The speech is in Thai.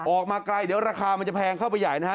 ออกมาไกลเดี๋ยวราคามันจะแพงเข้าไปใหญ่นะฮะ